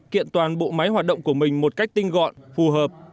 kiện toàn bộ máy hoạt động của mình một cách tinh gọn phù hợp